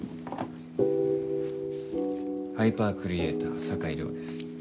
ハイパークリエイター酒井涼です。